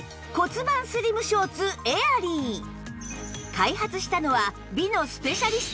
開発したのは美のスペシャリスト